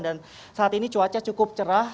dan saat ini cuacanya cukup cerah